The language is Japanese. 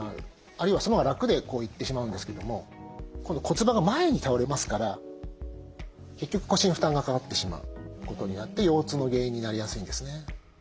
あるいはそのほうが楽でいってしまうんですけども今度骨盤が前に倒れますから結局腰に負担がかかってしまうことになって腰痛の原因になりやすいんですね。